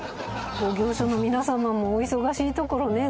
業者の皆様もお忙しいところね